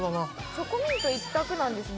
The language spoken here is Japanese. チョコミント一択なんですね？